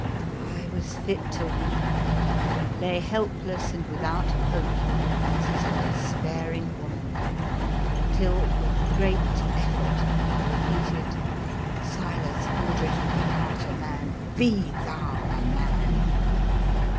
I was fit to weep, and lay helpless and without hope as is a despairing woman, till, with great effort, I repeated '* Silas Fordred, that art a man, be thou a man."